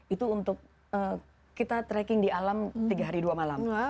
itu untuk kita tracking di alam tiga hari dua malam